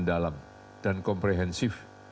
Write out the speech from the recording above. mendalam dan komprehensif